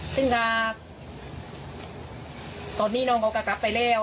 ซึ่งก็ตอนนี้น้องเขาก็กลับไปแล้ว